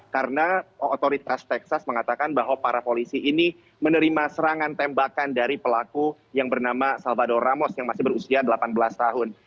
karena otoritas texas mengatakan bahwa para polisi ini menerima serangan tembakan dari pelaku yang bernama salvador ramos yang masih berusia delapan belas tahun